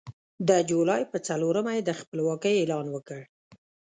د جولای په څلورمه یې د خپلواکۍ اعلان وکړ.